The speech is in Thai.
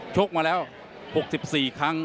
ชกมาแล้ว๖๔ครั้ง